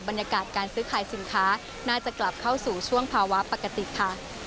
บรรยากาศการซื้อขายสินค้าน่าจะกลับเข้าสู่ช่วงภาวะปกติค่ะ